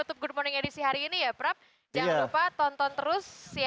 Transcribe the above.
itu dia titik titik lemahannya